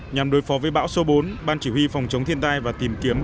nhằm đối phó với bão số bốn ban chỉ huy phòng chống thiên tai và tìm kiếm